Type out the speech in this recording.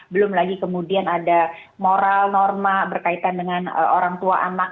belum lagi kemudian ada moral norma berkaitan dengan orang tua anak